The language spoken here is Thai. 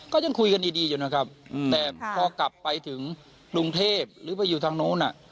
ก็ยังคุยกันดีอยู่นะครับแต่พอกลับไปถึงกรุงเทพหรือไปอยู่ทางนู้น